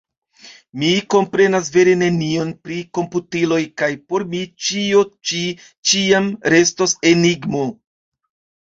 Mi komprenas vere nenion pri komputiloj, kaj por mi ĉio ĉi ĉiam restos enigmo.